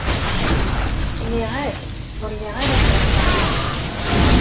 Nniɣ-ak ur lliɣ ara sɛiɣ lxetyar.